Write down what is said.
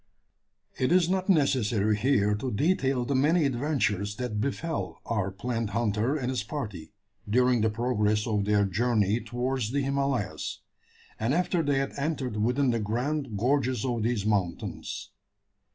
It is not necessary here to detail the many adventures that befel our plant hunter and his party, during the progress of their journey towards the Himalayas, and after they had entered within the grand gorges of these mountains.